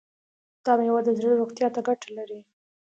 دا میوه د زړه روغتیا ته ګټه لري.